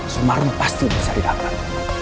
sumarung pasti bisa didapat